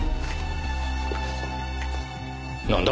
なんだ？